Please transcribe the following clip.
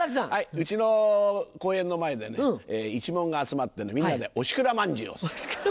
家の公園の前で一門が集まってみんなでおしくらまんじゅうをする。